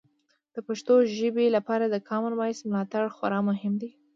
د پښتو ژبې لپاره د کامن وایس ملاتړ خورا مهم دی.